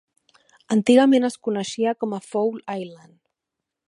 Antigament, es coneixia com a "Fowle Island".